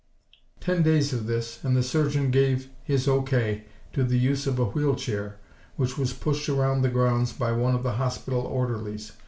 Ten days of this, and the surgeon gave his O.K. to the use of a wheel chair, which was pushed around the grounds by one of the hospital orderlies.